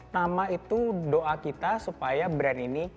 nama itu doa kita supaya brand ini